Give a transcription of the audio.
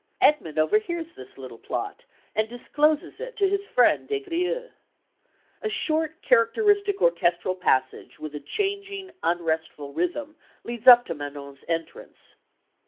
Edmund overhears this little plot, and discloses it to his friend Des Grieux. A short characteristic orchestral passage with a changing unrestful rhythm leads up to Manon's entrance.